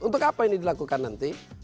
untuk apa ini dilakukan nanti